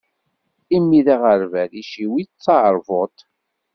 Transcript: Imi d aɣerbal, iciwi d taṛbut.